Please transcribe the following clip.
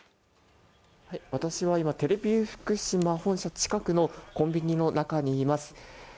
私は今テレビ福島本社近くのコンビニの中にいます。